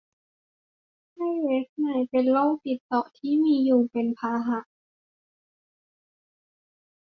ไข้เวสต์ไนล์เป็นโรคติดต่อที่มียุงเป็นพาหะ